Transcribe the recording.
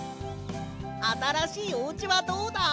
あたらしいおうちはどうだ？